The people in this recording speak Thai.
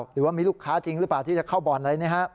หรือว่ามีลูกค้าจริงหรือเปล่าที่จะเข้าบ่อนอะไร